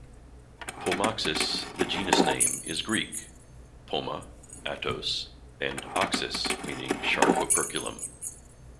"Pomoxis", the genus name, is Greek: "poma, -atos" and "oxys" meaning sharp operculum.